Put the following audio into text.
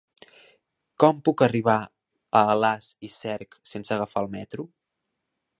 Com puc arribar a Alàs i Cerc sense agafar el metro?